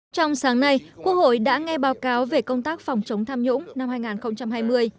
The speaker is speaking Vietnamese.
trong sáng nay quốc hội đã nghe báo cáo về công tác phòng chống tham nhũng năm hai nghìn hai mươi